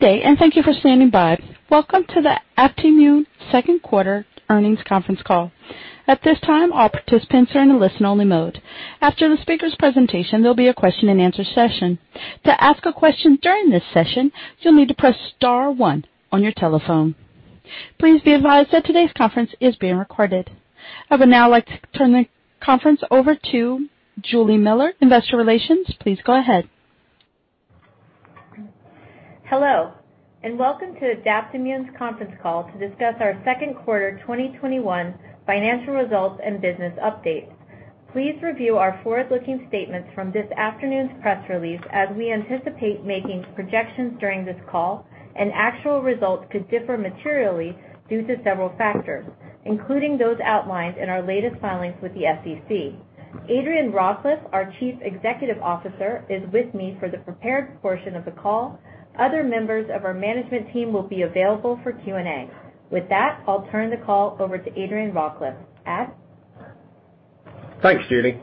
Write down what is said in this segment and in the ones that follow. Thank you for standing by. Welcome to the Adaptimmune Second Quarter Earnings Conference Call. At this time, all participants are in a listen-only mode. After the speaker's presentation, there'll be a question and answer session. To ask a question during this session, you'll need to press star one on your telephone. Please be advised that today's conference is being recorded. I would now like to turn the conference over to Juli Miller, Investor Relations. Please go ahead. Hello, welcome to Adaptimmune's conference call to discuss our second quarter 2021 financial results and business updates. Please review our forward-looking statements from this afternoon's press release, as we anticipate making projections during this call, and actual results could differ materially due to several factors, including those outlined in our latest filings with the SEC. Adrian Rawcliffe, our Chief Executive Officer, is with me for the prepared portion of the call. Other members of our management team will be available for Q&A. With that, I'll turn the call over to Adrian Rawcliffe. Ad? Thanks, Juli.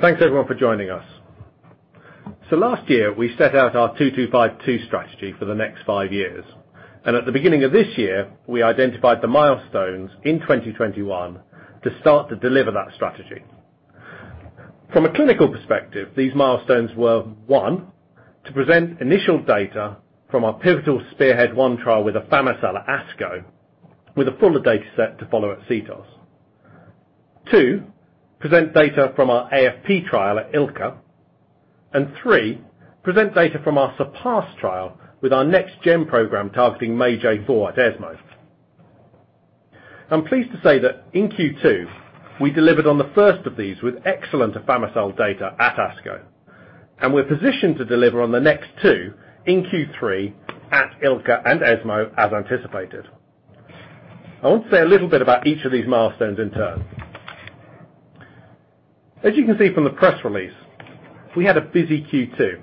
Thanks, everyone, for joining us. Last year, we set out our 2-2-5-2 strategy for the next five years. At the beginning of this year, we identified the milestones in 2021 to start to deliver that strategy. From a clinical perspective, these milestones were, one, to present initial data from our pivotal SPEARHEAD-1 trial with afami-cel at ASCO, with a fuller data set to follow at CTOS. Two, present data from our AFP trial at ILCA. Three, present data from our SURPASS trial with our next gen program targeting MAGE-A4 at ESMO. I'm pleased to say that in Q2, we delivered on the first of these with excellent afami-cel data at ASCO, and we're positioned to deliver on the next two in Q3 at ILCA and ESMO, as anticipated. I want to say a little bit about each of these milestones in turn. As you can see from the press release, we had a busy Q2.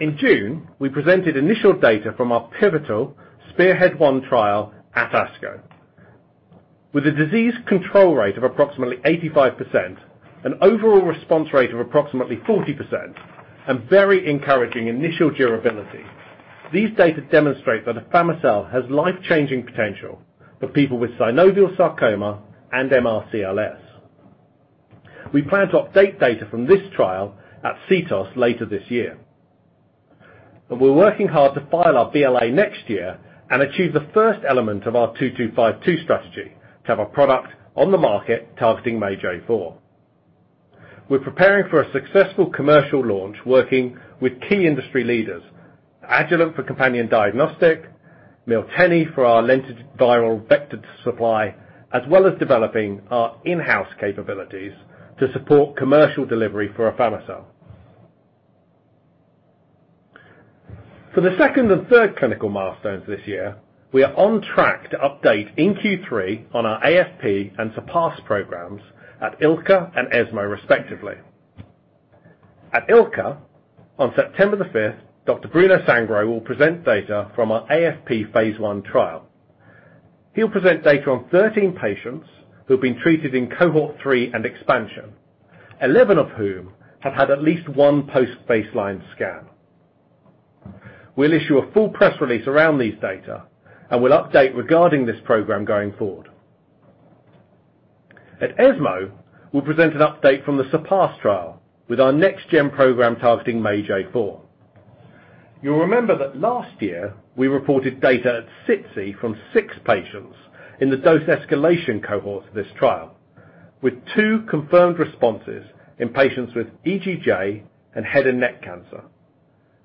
In June, we presented initial data from our pivotal SPEARHEAD-1 trial at ASCO. With a disease control rate of approximately 85%, an overall response rate of approximately 40%, and very encouraging initial durability, these data demonstrate that afami-cel has life-changing potential for people with synovial sarcoma and MRCLS. We plan to update data from this trial at CTOS later this year. We're working hard to file our BLA next year and achieve the first element of our 2-2-5-2 strategy, to have a product on the market targeting MAGE-A4. We're preparing for a successful commercial launch working with key industry leaders, Agilent for companion diagnostic, Miltenyi for our lentiviral vector supply, as well as developing our in-house capabilities to support commercial delivery for afami-cel. For the second and third clinical milestones this year, we are on track to update in Q3 on our AFP and SURPASS programs at ILCA and ESMO, respectively. At ILCA, on September the fifth, Dr. Bruno Sangro will present data from our AFP phase I trial. He'll present data on 13 patients who have been treated in cohort three and expansion, 11 of whom have had at least one post-baseline scan. We'll issue a full press release around these data, and we'll update regarding this program going forward. At ESMO, we'll present an update from the SURPASS trial with our next gen program targeting MAGE-A4. You'll remember that last year, we reported data at SITC from six patients in the dose escalation cohort for this trial, with two confirmed responses in patients with EGJ and head and neck cancer,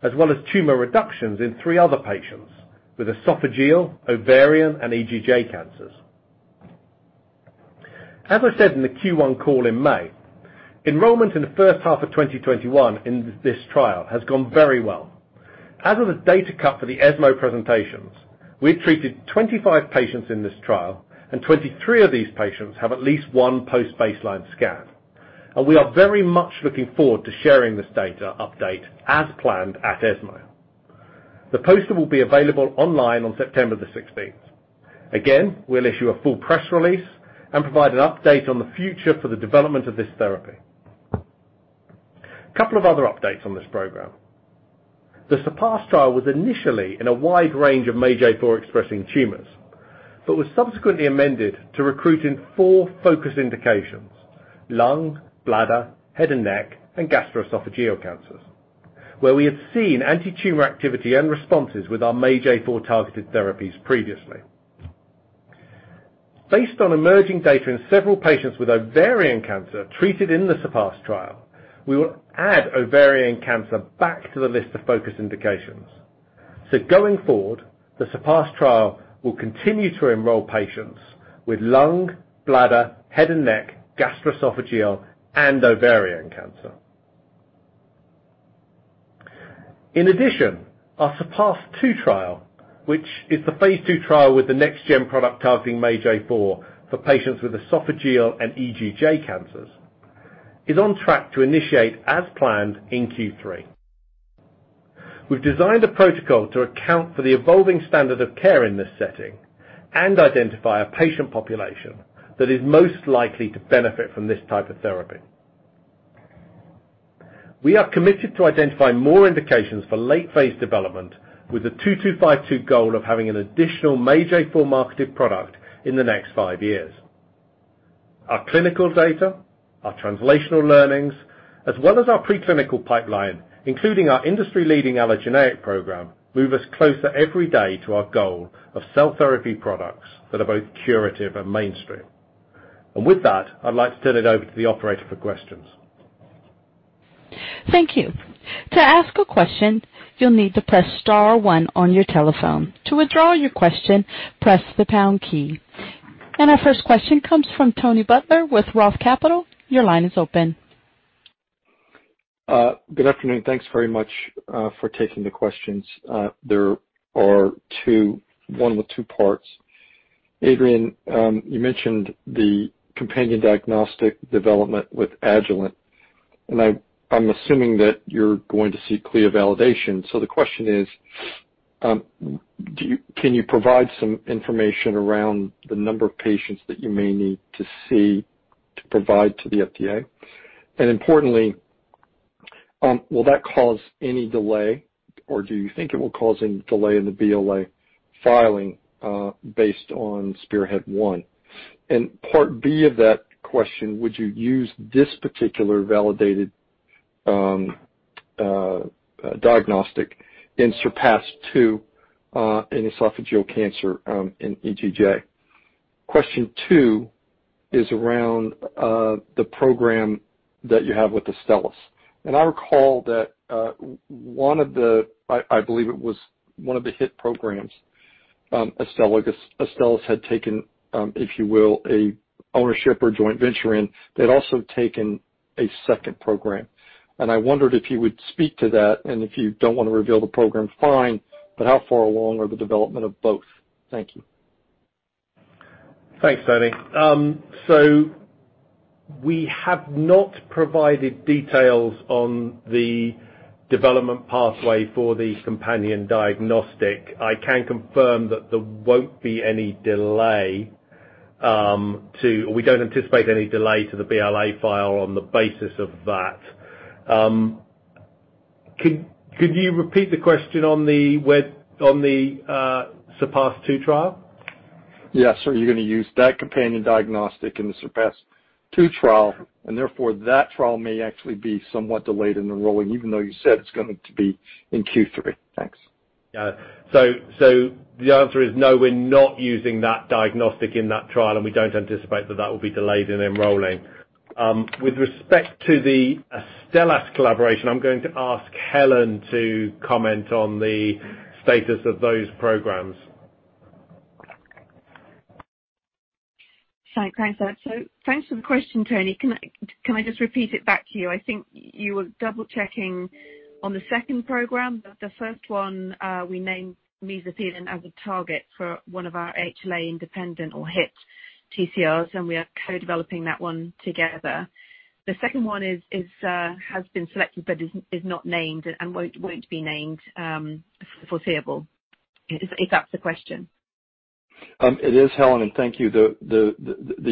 as well as tumor reductions in three other patients with esophageal, ovarian, and EGJ cancers. As I said in the Q1 call in May, enrollment in the first half of 2021 in this trial has gone very well. As of the data cut for the ESMO presentations, we have treated 25 patients in this trial, and 23 of these patients have at least one post-baseline scan. We are very much looking forward to sharing this data update as planned at ESMO. The poster will be available online on September the 16th. Again, we'll issue a full press release and provide an update on the future for the development of this therapy. Couple of other updates on this program. The SURPASS trial was initially in a wide range of MAGE-A4-expressing tumors, but was subsequently amended to recruit in four focus indications: lung, bladder, head and neck, and gastroesophageal cancers, where we have seen anti-tumor activity and responses with our MAGE-A4-targeted therapies previously. Based on emerging data in several patients with ovarian cancer treated in the SURPASS trial, we will add ovarian cancer back to the list of focus indications. Going forward, the SURPASS trial will continue to enroll patients with lung, bladder, head and neck, gastroesophageal, and ovarian cancer. In addition, our SURPASS-2 trial, which is the phase II trial with the next gen product targeting MAGE-A4 for patients with esophageal and EGJ cancers, is on track to initiate as planned in Q3. We've designed a protocol to account for the evolving standard of care in this setting and identify a patient population that is most likely to benefit from this type of therapy. We are committed to identify more indications for late-phase development with a 2-2-5-2 goal of having an additional MAGE-A4 marketed product in the next five years. Our clinical data, our translational learnings, as well as our preclinical pipeline, including our industry-leading allogeneic program, move us closer every day to our goal of cell therapy products that are both curative and mainstream. With that, I'd like to turn it over to the operator for questions. Thank you. To ask a question, you'll need to press star one on your telephone. To withdraw your question, press the pound key. Our first question comes from Tony Butler with ROTH Capital. Your line is open. Good afternoon. Thanks very much for taking the questions. There are two, one with two parts. Adrian, you mentioned the companion diagnostic development with Agilent. I'm assuming that you're going to seek CLIA validation. The question is can you provide some information around the number of patients that you may need to see to provide to the FDA? Importantly, will that cause any delay, or do you think it will cause any delay in the BLA filing, based on SPEARHEAD-1? Part B of that question, would you use this particular validated diagnostic in SURPASS-2, in esophageal cancer, in EGJ. Question two is around the program that you have with Astellas. I recall that one of the, I believe it was one of the HiT programs, Astellas had taken, if you will, a ownership or joint venture in. They'd also taken a second program. I wondered if you would speak to that, and if you don't want to reveal the program, fine, but how far along are the development of both? Thank you. Thanks, Tony. We have not provided details on the development pathway for the companion diagnostic. I can confirm that there won't be any delay, or we don't anticipate any delay to the BLA file on the basis of that. Could you repeat the question on the SURPASS-2 trial? Yes. Are you going to use that companion diagnostic in the SURPASS-2 trial, Therefore that trial may actually be somewhat delayed in enrolling even though you said it's going to be in Q3. Thanks. Yeah. The answer is no, we're not using that diagnostic in that trial, and we don't anticipate that that will be delayed in enrolling. With respect to the Astellas collaboration, I'm going to ask Helen to comment on the status of those programs. Thanks, Adrian. Thanks for the question, Tony. Can I just repeat it back to you? I think you were double-checking on the second program, but the first one we named mesothelin as a target for one of our HLA-independent or HiT TCRs, and we are co-developing that one together. The second one has been selected but is not named and won't be named foreseeable. If that's the question. It is, Helen. Thank you. The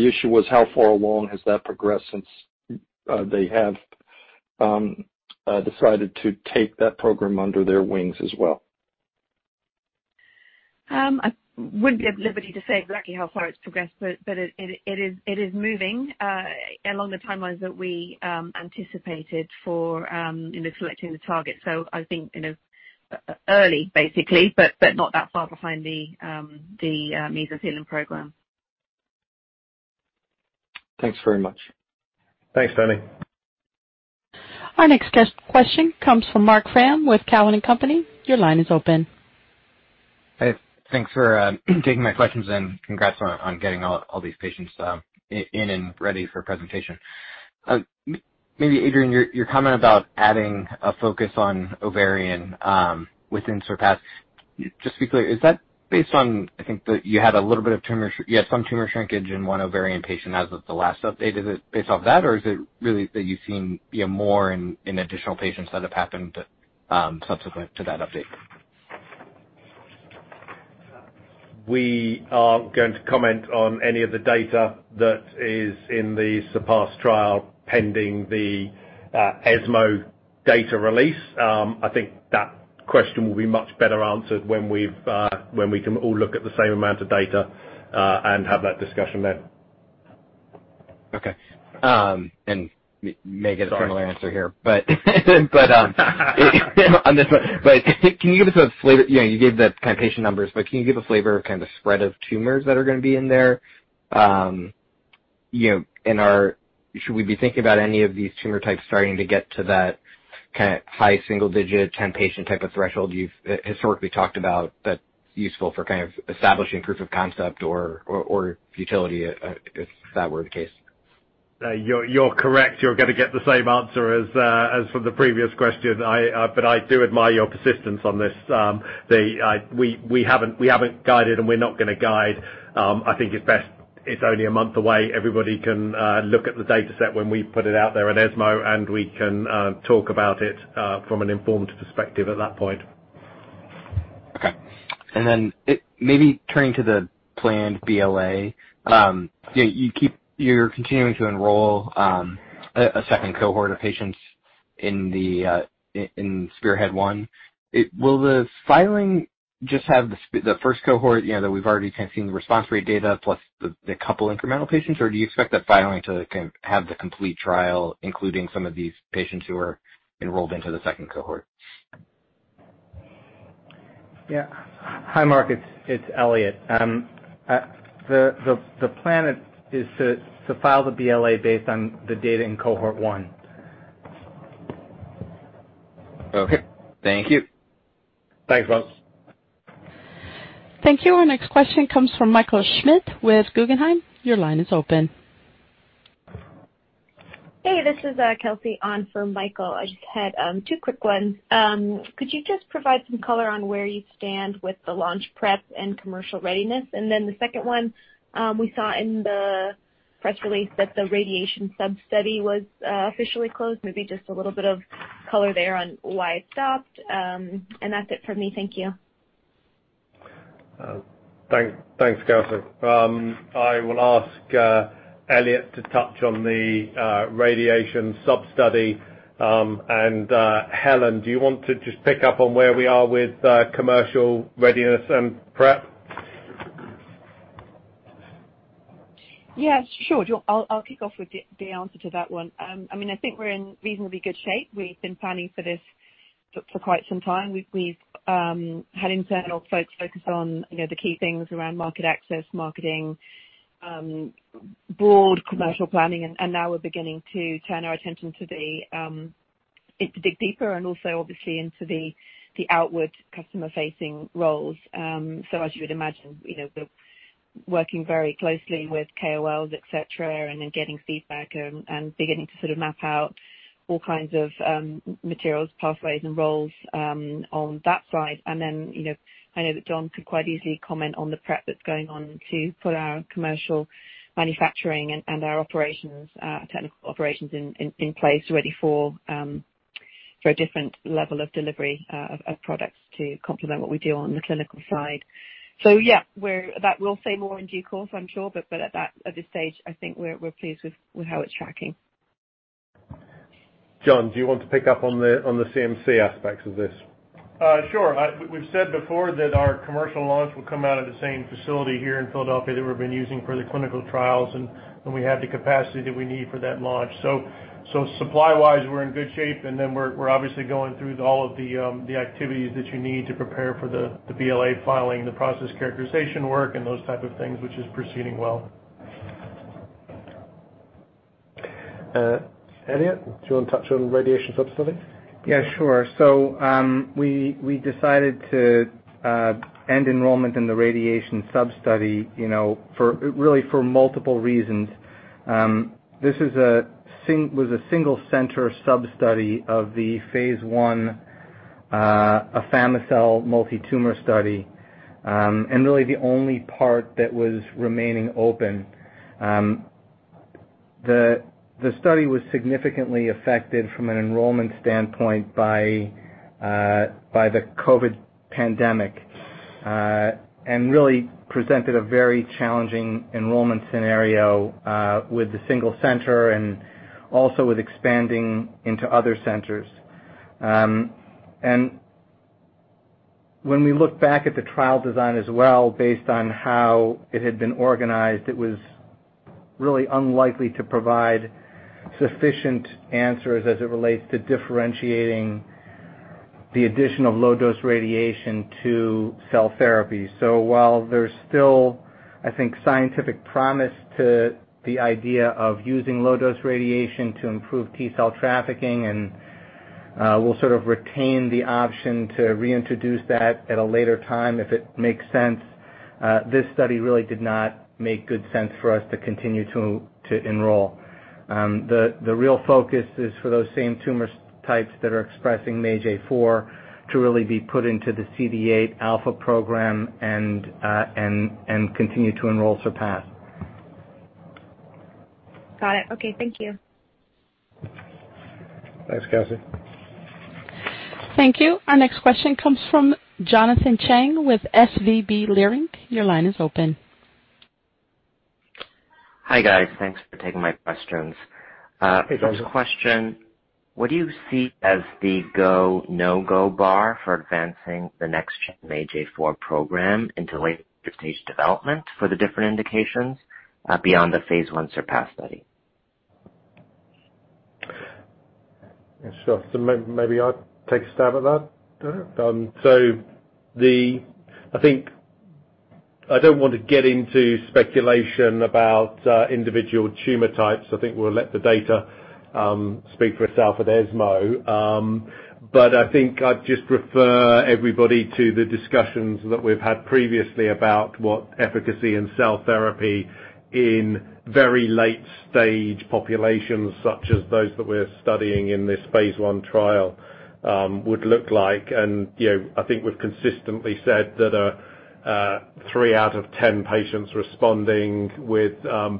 issue was how far along has that progressed since they have decided to take that program under their wings as well. I wouldn't be at liberty to say exactly how far it's progressed, but it is moving along the timelines that we anticipated for selecting the target. I think early, basically, but not that far behind the mesothelin program. Thanks very much. Thanks, Tony. Our next question comes from Marc Frahm with Cowen and Company. Your line is open. Hey. Thanks for taking my questions, and congrats on getting all these patients in and ready for presentation. Maybe Adrian, your comment about adding a focus on ovarian within SURPASS. Just to be clear, is that based on, I think that you had some tumor shrinkage in one ovarian patient as of the last update. Is it based off that, or is it really that you've seen more in additional patients that have happened subsequent to that update? We aren't going to comment on any of the data that is in the SURPASS trial pending the ESMO data release. I think that question will be much better answered when we can all look at the same amount of data and have that discussion then. Okay. May get a similar answer here. On this one, you gave the patient numbers, but can you give a flavor of kind of spread of tumors that are going to be in there? Should we be thinking about any of these tumor types starting to get to that high single-digit, 10-patient type of threshold you've historically talked about that's useful for kind of establishing proof of concept or futility, if that were the case? You're correct. You're going to get the same answer as from the previous question. I do admire your persistence on this. We haven't guided, we're not going to guide. I think it's best it's only a month away. Everybody can look at the dataset when we put it out there at ESMO, we can talk about it from an informed perspective at that point. Okay. Maybe turning to the planned BLA. You're continuing to enroll a second cohort of patients in SPEARHEAD-1. Will the filing just have the first cohort that we've already seen the response rate data plus the couple incremental patients or do you expect that filing to have the complete trial including some of these patients who are enrolled into the second cohort? Yeah. Hi, Marc. It's Elliot. The plan is to file the BLA based on the data in cohort one. Okay. Thank you. Thanks, Marc. Thank you. Our next question comes from Michael Schmidt with Guggenheim. Your line is open. Hey, this is Kelsey on for Michael. I just had two quick ones. Could you just provide some color on where you stand with the launch prep and commercial readiness? The second one, we saw in the press release that the radiation sub-study was officially closed. Maybe just a little bit of color there on why it stopped. That's it for me. Thank you. Thanks, Kelsey. I will ask Elliot to touch on the radiation sub-study. Helen, do you want to just pick up on where we are with commercial readiness and prep? Yeah, sure. I'll kick off with the answer to that one. I think we're in reasonably good shape. We've been planning for this for quite some time. We've had internal folks focused on the key things around market access, marketing, broad commercial planning, and now we're beginning to turn our attention to dig deeper and also obviously into the outward customer-facing roles. As you would imagine, we're working very closely with KOLs, et cetera, and then getting feedback and beginning to sort of map out all kinds of materials, pathways, and roles on that side. I know that John could quite easily comment on the prep that's going on to put our commercial manufacturing and our technical operations in place ready for a different level of delivery of products to complement what we do on the clinical side. Yeah, we'll say more in due course, I'm sure, but at this stage, I think we're pleased with how it's tracking. John, do you want to pick up on the CMC aspects of this? Sure. We've said before that our commercial launch will come out of the same facility here in Philadelphia that we've been using for the clinical trials, and we have the capacity that we need for that launch. Supply-wise, we're in good shape, and then we're obviously going through all of the activities that you need to prepare for the BLA filing, the process characterization work, and those type of things, which is proceeding well. Elliot, do you want to touch on radiation sub-study? Yeah, sure. We decided to end enrollment in the radiation sub-study really for multiple reasons. This was a single center sub-study of the phase I afami-cel multi-tumor study, and really the only part that was remaining open. The study was significantly affected from an enrollment standpoint by the COVID pandemic. Really presented a very challenging enrollment scenario with the single center and also with expanding into other centers. When we look back at the trial design as well, based on how it had been organized, it was really unlikely to provide sufficient answers as it relates to differentiating the addition of low-dose radiation to cell therapy. While there's still, I think, scientific promise to the idea of using low-dose radiation to improve T-cell trafficking, and we'll sort of retain the option to reintroduce that at a later time if it makes sense. This study really did not make good sense for us to continue to enroll. The real focus is for those same tumor types that are expressing MAGE-A4 to really be put into the CD8α program and continue to enroll SURPASS. Got it. Okay. Thank you. Thanks, Kelsey. Thank you. Our next question comes from Jonathan Chang with SVB Leerink. Your line is open. Hi, guys. Thanks for taking my questions. Hey, Jonathan. First question, what do you see as the go, no-go bar for advancing the next MAGE-A4 program into later stage development for the different indications beyond the phase I SURPASS study? Sure. Maybe I'll take a stab at that, Jonathan. I don't want to get into speculation about individual tumor types. I think we'll let the data speak for itself at ESMO. I think I'd just refer everybody to the discussions that we've had previously about what efficacy in cell therapy in very late-stage populations, such as those that we're studying in this phase I trial, would look like. I think we've consistently said that three out of 10 patients responding with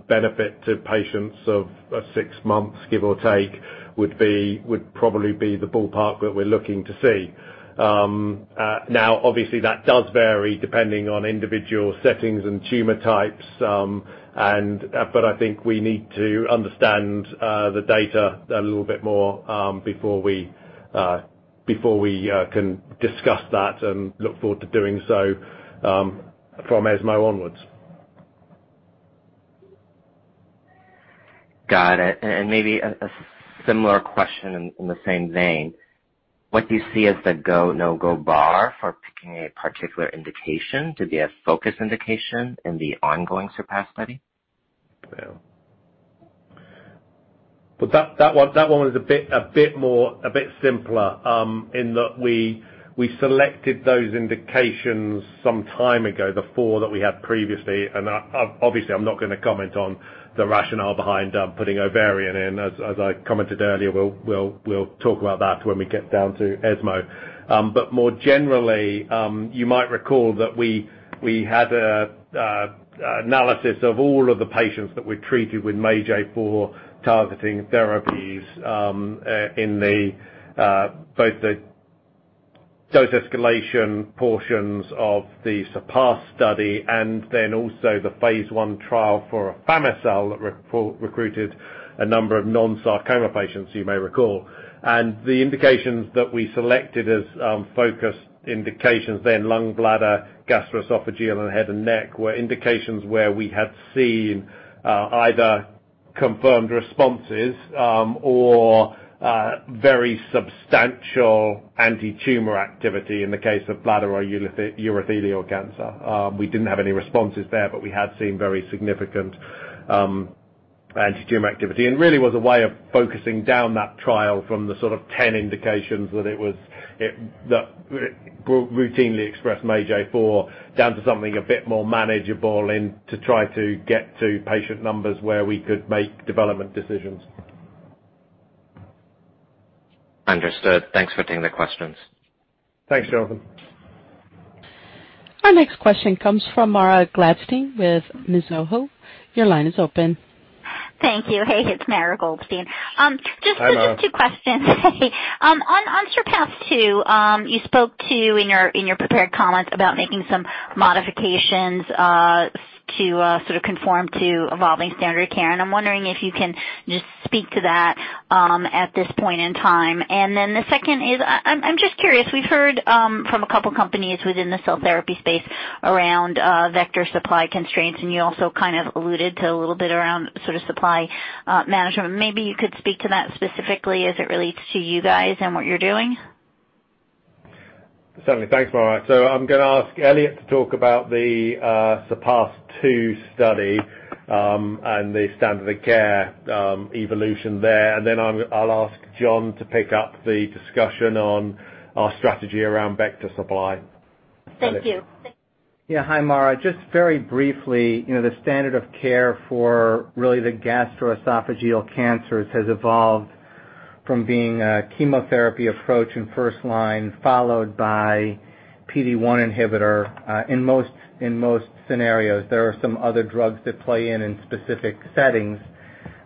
benefit to patients of six months, give or take, would probably be the ballpark that we're looking to see. Obviously that does vary depending on individual settings and tumor types. I think we need to understand the data a little bit more before we can discuss that and look forward to doing so from ESMO onwards. Got it. Maybe a similar question in the same vein. What do you see as the go, no-go bar for picking a particular indication? Did you have focus indication in the ongoing SURPASS study? Well, that one is a bit simpler in that we selected those indications some time ago, the four that we had previously, and obviously I'm not going to comment on the rationale behind putting ovarian in. As I commented earlier, we'll talk about that when we get down to ESMO. More generally, you might recall that we had an analysis of all of the patients that we treated with MAGE-A4 targeting therapies in both the dose escalation portions of the SURPASS study and then also the phase I trial for afami-cel that recruited a number of non-sarcoma patients, you may recall. The indications that we selected as focus indications then lung, bladder, gastroesophageal, and head and neck, were indications where we had seen either confirmed responses or very substantial anti-tumor activity in the case of bladder or urothelial cancer. We didn't have any responses there. We had seen very significant anti-tumor activity. Really was a way of focusing down that trial from the sort of 10 indications that routinely expressed MAGE-A4 down to something a bit more manageable to try to get to patient numbers where we could make development decisions. Understood. Thanks for taking the questions. Thanks, Jonathan. Our next question comes from Mara Goldstein with Mizuho. Your line is open. Thank you. Hey, it's Mara Goldstein. Hi, Mara. Just two questions. On SURPASS-2, you spoke to, in your prepared comments, about making some modifications to sort of conform to evolving standard care. I'm wondering if you can just speak to that at this point in time. The second is, I'm just curious, we've heard from a couple companies within the cell therapy space around vector supply constraints, and you also kind of alluded to a little bit around sort of supply management. Maybe you could speak to that specifically as it relates to you guys and what you're doing. Certainly. Thanks, Mara. I'm going to ask Elliot to talk about the SURPASS-2 study, and the standard of care evolution there. I'll ask John to pick up the discussion on our strategy around vector supply. Thank you. Hi, Mara. Just very briefly, the standard of care for really the gastroesophageal cancers has evolved from being a chemotherapy approach in first line, followed by PD-1 inhibitor in most scenarios. There are some other drugs that play in in specific settings.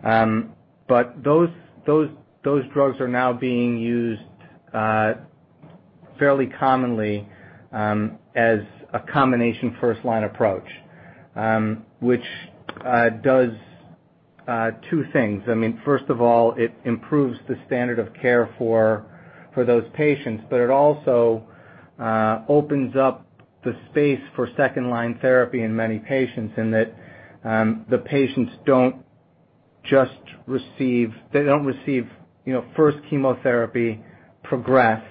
Those drugs are now being used fairly commonly as a combination first-line approach, which does two things. First of all, it improves the standard of care for those patients, but it also opens up the space for second-line therapy in many patients in that the patients don't just receive first chemotherapy, progress,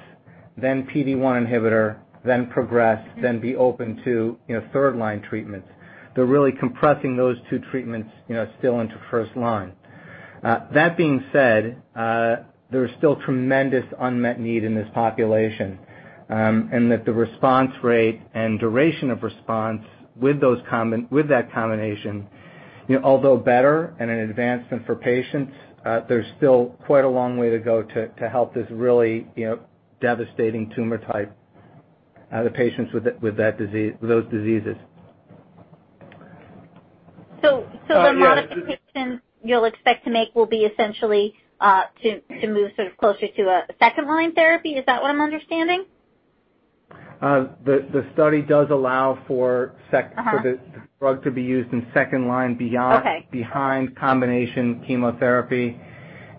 then PD-1 inhibitor, then progress, then be open to third-line treatments. They're really compressing those two treatments still into first line. That being said, there is still tremendous unmet need in this population, and that the response rate and duration of response with that combination, although better and an advancement for patients, there's still quite a long way to go to help this really devastating tumor type, the patients with those diseases. The modifications you'll expect to make will be essentially to move sort of closer to a second-line therapy? Is that what I'm understanding? The study does allow for the drug to be used in second line behind- Okay behind combination chemotherapy.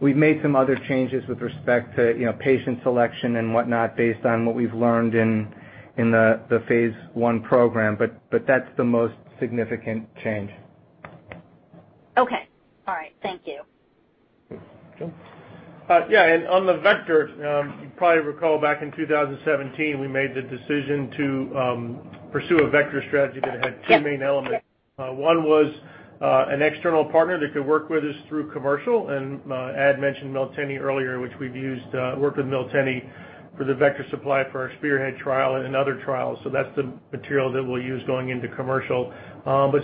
We've made some other changes with respect to patient selection and whatnot based on what we've learned in the phase I program. That's the most significant change. Okay. All right. Thank you. John? On the vector, you probably recall back in 2017, we made the decision to pursue a vector strategy that had two main elements. One was an external partner that could work with us through commercial. Ad mentioned Miltenyi earlier, which we've worked with Miltenyi for the vector supply for our SPEARHEAD trial and other trials. That's the material that we'll use going into commercial.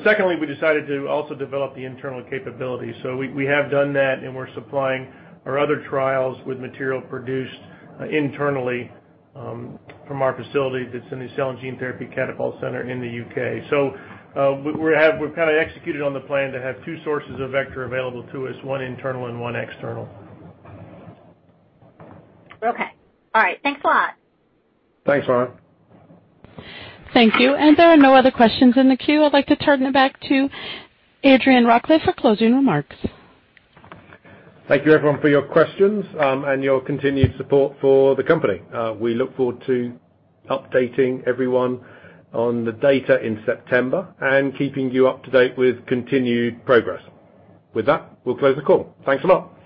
Secondly, we decided to also develop the internal capability. We have done that, and we're supplying our other trials with material produced internally from our facility that's in the Cell and Gene Therapy Catapult Center in the U.K. We've executed on the plan to have two sources of vector available to us, one internal and one external. Okay. All right. Thanks a lot. Thanks, Mara. Thank you. There are no other questions in the queue. I'd like to turn it back to Adrian Rawcliffe for closing remarks. Thank you everyone for your questions and your continued support for the company. We look forward to updating everyone on the data in September and keeping you up to date with continued progress. With that, we will close the call. Thanks a lot.